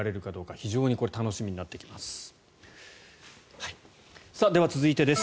非常に楽しみになってきます。